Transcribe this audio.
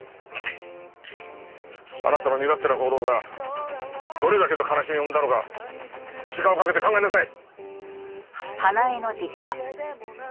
あなたの身勝手な行動がどれだけの悲しみを生んだのか時間をかけて考えなさい！